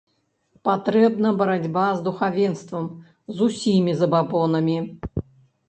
Патрэбна барацьба з духавенствам, з усімі забабонамі.